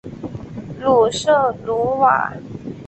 鲁瑟卢瓦。